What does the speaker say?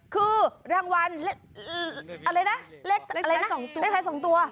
คือเรางวัลเลือกไผลสองตัว